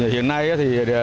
hiện nay thì